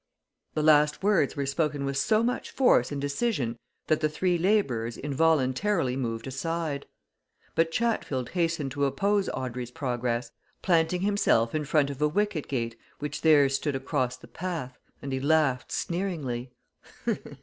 The last words were spoken with so much force and decision that the three labourers involuntarily moved aside. But Chatfield hastened to oppose Audrey's progress, planting himself in front of a wicket gate which there stood across the path, and he laughed sneeringly.